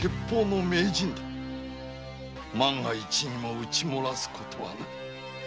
万が一にも撃ちもらす事はない。